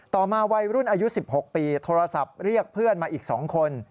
ต่อมาวัยรุ่นอายุ๑๖ปีโทรศัพท์เรียกเพื่อนมาอีก๒คน